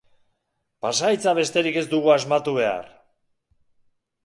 Pasahitza besterik ez dugu asmatu behar!